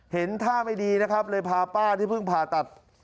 เห็นท่าไม่ดีนะครับเลยพาป้าที่เพิ่งผ่าตัด